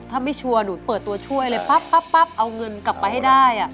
ถ้าไม่ชัวร์หนูเปิดตัวช่วยเลยปั๊บเอาเงินกลับไปให้ได้